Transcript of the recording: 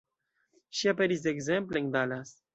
Ŝi aperis ekzemple en Dallas.